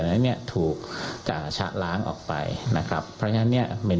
นั้นเนี่ยถูกจ่าชะล้างออกไปนะครับเพราะฉะนั้นเนี่ยเมน